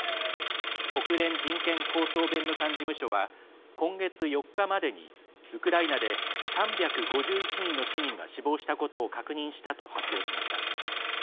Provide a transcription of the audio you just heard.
国連人権高等弁務官事務所は今月４日までにウクライナで３５１人の市民が死亡したことを確認したと発表しました。